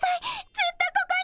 ずっとここに！